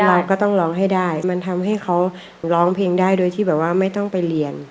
เราก็ต้องร้องให้ได้มันทำให้เขาร้องเพลงได้โดยที่แบบว่าไม่ต้องไปเรียน